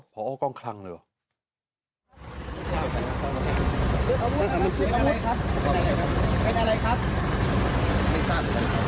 พอเอากองคลังเลยอ่ะ